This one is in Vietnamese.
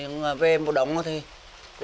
ngoài sản xuất nông nghiệp